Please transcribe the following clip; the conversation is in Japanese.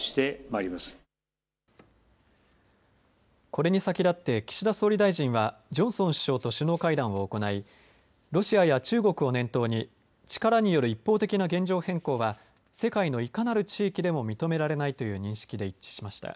これに先立って岸田総理大臣は、ジョンソン首相と首脳会談を行い、ロシアや中国を念頭に、力による一方的な現状変更は世界のいかなる地域でも認められないという認識で一致しました。